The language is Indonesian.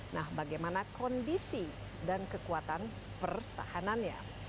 nah bagaimana kondisi dan kekuatan pertahanannya